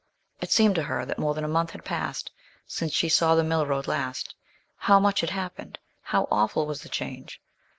It seemed to her that more than a month had passed since she saw the mill road last. How much had happened! how awful was the change!